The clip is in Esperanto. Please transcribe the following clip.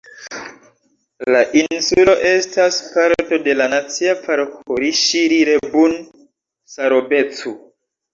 La insulo estas parto de la Nacia Parko Riŝiri-Rebun-Sarobecu.